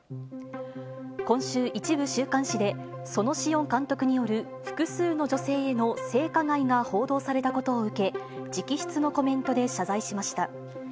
今週、一部週刊誌で、園子温監督による複数の女性への性加害が報道されたことを受け、直筆のコメントで謝罪しました。